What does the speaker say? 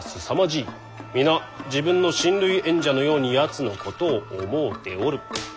皆自分の親類縁者のようにやつのことを思うておる。